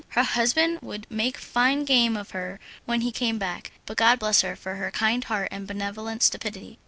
Her husband would make fine game of her when he came back; but God bless her for her kind heart and benevolent stupidity.